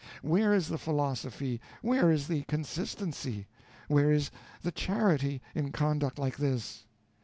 Where is the philosophy, where is the consistency, where is the charity, in conduct like this?